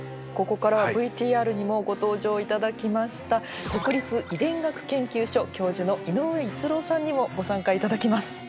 ここからはＶＴＲにもご登場頂きました国立遺伝学研究所教授の井ノ上逸朗さんにもご参加頂きます。